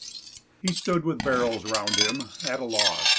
He stood with barrels round him at a loss.